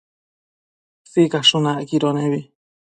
Sicashun acquido nebi